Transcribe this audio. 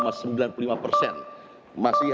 masih harus dua puluh persen lagi